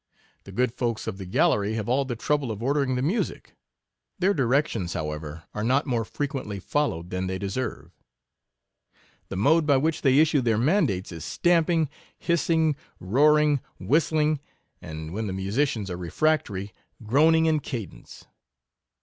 The good folks of the gallery have all the trouble of ordering the music ; (their directions^ however, are not more frequently followed than they deserve). 23 The mode by which they issue their man dates is stamping, hissing, roaring, whistling; and, when the musicians are refractory, groaning in cadence.